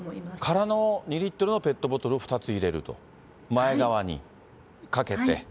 空の２リットルのペットボトルを２つ入れると、前側にかけて。